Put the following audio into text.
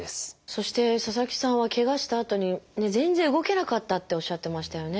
そして佐々木さんはけがしたあとに全然動けなかったっておっしゃってましたよね。